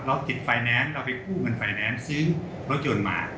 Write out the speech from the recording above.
ติดไฟแนนซ์เราไปกู้เงินไฟแนนซ์ซื้อรถยนต์มา